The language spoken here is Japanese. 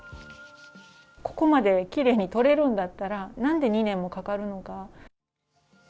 ここまできれいに取れるんだったら何で２年もかかるのか。